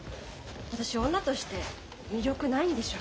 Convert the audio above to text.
私女として魅力ないんでしょ。